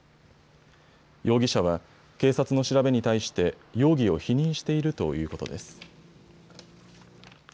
容疑者は警察の調べに対して容疑を否認しているということです。